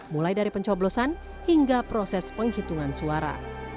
mulai dari pencoblosan hingga proses penghitungan suara